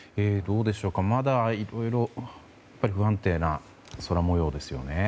まだいろいろ不安定な空模様ですよね？